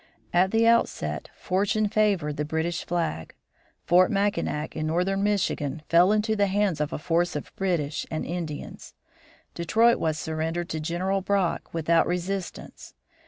At the outset, fortune favored the British flag. Fort Mackinac, in northern Michigan, fell into the hands of a force of British and Indians. Detroit was surrendered to General Brock without resistance.